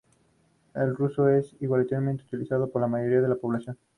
El ruso es igualmente utilizado por la mayoría de la población.